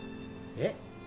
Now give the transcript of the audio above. えっ？